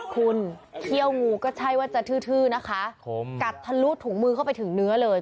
คุณเขี้ยวงูก็ใช่ว่าจะทื้อนะคะกัดทะลุถุงมือเข้าไปถึงเนื้อเลย